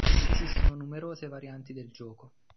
Esistono numerose varianti del gioco.